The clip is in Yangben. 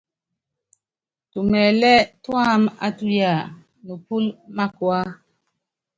Tumɛlɛ́ tuámá á tuyáa, nupúlɔ́ mákua.